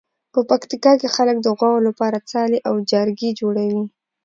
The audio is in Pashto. په پکتیکا کې خلک د غواوو لپاره څالې او جارګې جوړوي.